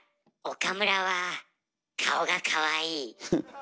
岡村は顔がかわいい。